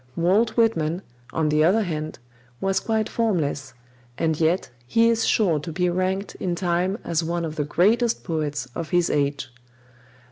Walt Whitman, on the other hand, was quite formless, and yet he is sure to be ranked in time as one of the greatest poets of his age.